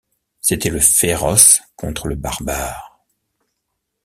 C’était le féroce contre le barbare.